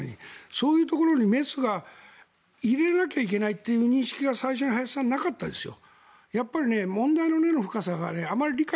そういうところにメスを入れなきゃいけないという認識が最初に林さんはなかったですよ。